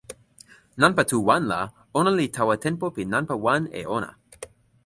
nanpa tu wan la, ona li tawa tenpo pi nanpa wan e ona.